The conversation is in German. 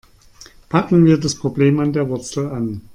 Packen wir das Problem an der Wurzel an.